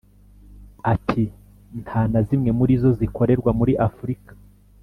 Ati “Nta na zimwe muri zo zikorerwa muri Afurika